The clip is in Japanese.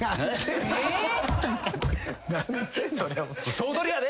「総取りやで！」